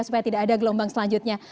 supaya tidak ada gelombang selanjutnya